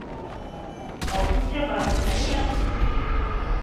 ଅବୁଜବାହାଲ ଚାଲିଗଲା କି?